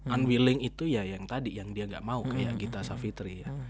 unwilling itu ya yang tadi yang dia nggak mau kayak gita savitri ya